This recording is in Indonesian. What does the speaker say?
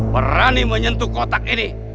berani menyentuh kotak ini